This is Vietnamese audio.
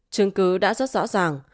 chứng cứ đã rất rõ ràng